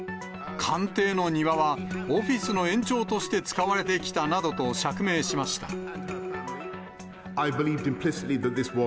官邸の庭はオフィスの延長として使われてきたなどと釈明しました。